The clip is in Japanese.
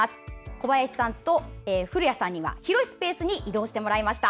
小林さんと古谷さんには広いスペースに移動してもらいました。